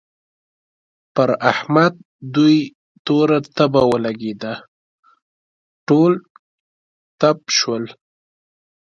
پر احمد دوی توره تبه ولګېده؛ ټول تپ شول.